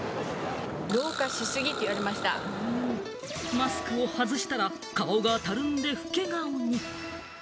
マスクを外したら顔がたるんで、老け顔に。